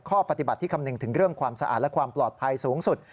ข้อปฏิบัติที่คำนึงถึงเรื่องความสะอาดและความปลอดภัยสูงสุด